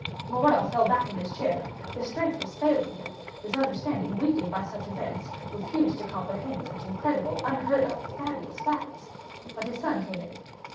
Morrel fell back in his chair, his strength was failing him; his understanding weakened by such events, refused to comprehend such incredible, unheard of, fabulous facts. But his son came in.